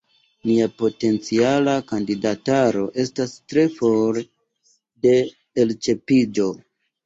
Nia potenciala kandidataro estas tre for de elĉerpiĝo.